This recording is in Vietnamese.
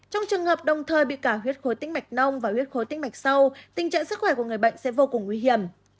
trong trường hợp đồng thời bị cả huyết khối tĩnh mạch nông và huyết khối tinh mạch sâu tình trạng sức khỏe của người bệnh sẽ vô cùng nguy hiểm